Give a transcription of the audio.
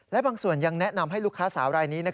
และบางส่วนยังแนะนำให้ลูกค้าสาวรายนี้